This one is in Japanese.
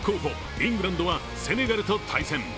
・イングランドはセネガルと対戦。